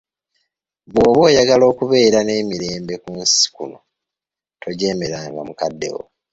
Bw'oba oyagala okubeera n'emirembe ku nsi kuno, tojeemeranga mukaddewo.